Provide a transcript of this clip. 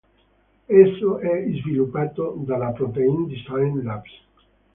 Esso è sviluppato dalla Protein Design Labs.